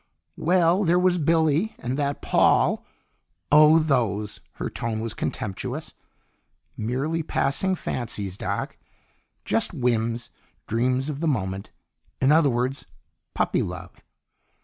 "Well, there was Billy, and that Paul " "Oh, those!" Her tone was contemptuous. "Merely passing fancies, Doc. Just whims, dreams of the moment in other words, puppy love."